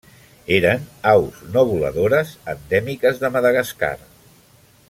Eren aus no voladores endèmiques de Madagascar.